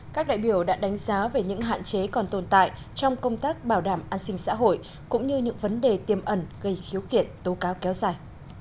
các đại biểu đã đánh giá về những hạn chế còn tồn tại trong công tác bảo đảm an sinh xã hội cũng như những vấn đề tiêm ẩn gây khiếu kiện tố cáo kéo dài